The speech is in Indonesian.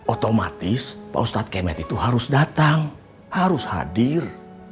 otomatis pak ustadz kemet itu harus datang harus hadir